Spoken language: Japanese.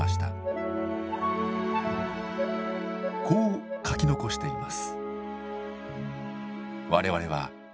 こう書き残しています。